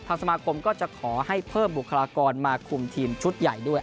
สมาคมก็จะขอให้เพิ่มบุคลากรมาคุมทีมชุดใหญ่ด้วย